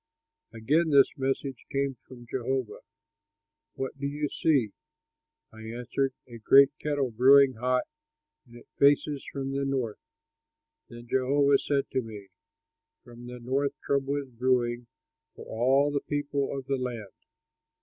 Again this message came from Jehovah, "What do you see?" I answered, "A great kettle brewing hot, and it faces from the north." Then Jehovah said to me: "From the north trouble is brewing for all the people of the land.